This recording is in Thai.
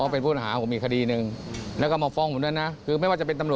เพราะกลัวผมจะเอาเอกสารได้ในคดีไง